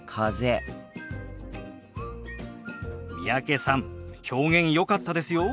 三宅さん表現よかったですよ。